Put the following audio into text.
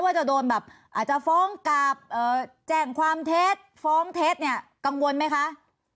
ควรไม่ว่าจะโดนแบบอาจจะฟ้องกาบแจ้งความเทศฟ้องเทศเนี่ยกังวลไหมค่ะ